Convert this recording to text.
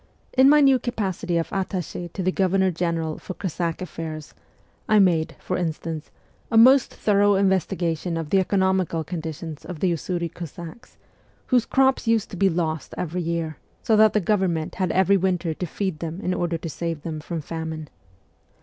In my new capacity of attache to the Governor General for Cossack affairs, I made, for instance, a most thorough investigation of the economical condition of the Usuri Cossacks, whose crops used to be lost every year, so that the government had every winter to feed them in order to save them from famine.